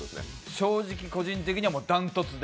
正直、個人的には断トツで。